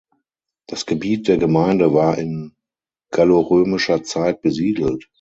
Das Gebiet der Gemeinde war in gallorömischer Zeit besiedelt.